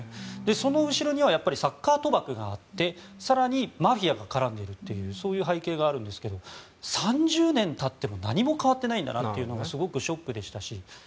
その後ろにはサッカー賭博があって更にマフィアが絡んでいるというそういう背景があるんですけど３０年たっても、何も変わっていないんだなというのがすごくショックでしたし。